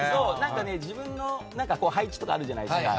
自分の配置とかあるじゃないですか。